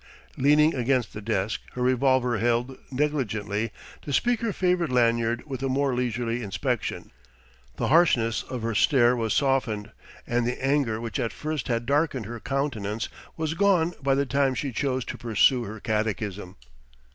Leaning against the desk, her revolver held negligently, the speaker favoured Lanyard with a more leisurely inspection; the harshness of her stare was softened, and the anger which at first had darkened her countenance was gone by the time she chose to pursue her catechism.